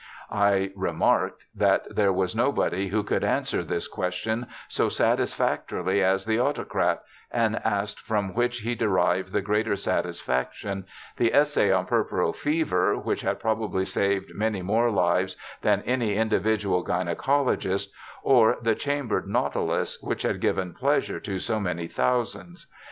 ' I remarked that there was nobody who could answer this question so satisfactorily as the Autocrat, and asked from which he derived the greater satisfaction, the Essay on Puerperal Fever, which had probably saved many more lives than any individual gynaecologist, or the Chambered Nautilus, which had given pleasure to so many thousands.